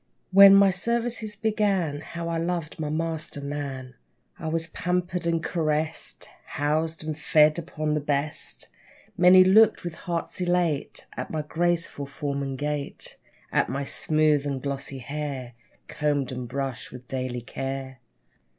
When my services began, How I loved my master, man! I was pampered and caressed, Housed, and fed upon the best. Many looked with hearts elate At my graceful form and gait, At my smooth and glossy hair Combed and brushed with daily care.